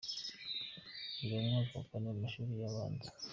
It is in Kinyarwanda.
Yiga mu mwaka wa Kane mu mashuri abanza i Berlin.